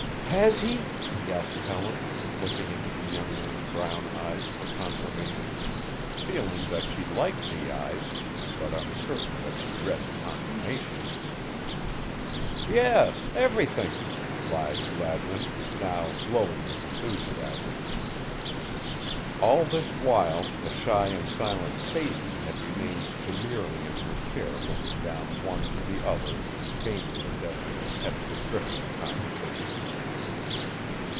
"Has he?" gasped Helen, looking into the young man's brown eyes for confirmation, feeling that she liked the eyes, but uncertain that she read the confirmation. "Yes, everything," lied Gladwin, now glowing with enthusiasm. All this while the shy and silent Sadie had remained demurely in her chair looking from one to the other and vainly endeavoring to catch the drift of the conversation.